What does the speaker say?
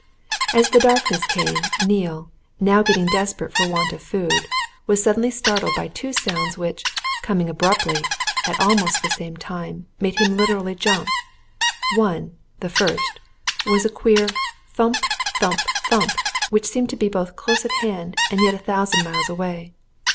As the darkness came, Neale, now getting desperate for want of food, was suddenly startled by two sounds which, coming abruptly at almost the same time, made him literally jump. One the first was a queer thump, thump, thump, which seemed to be both close at hand and yet a thousand miles away.